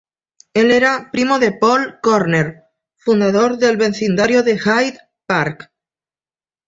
Él era primo de Paul Cornell, fundador del vecindario de Hyde Park.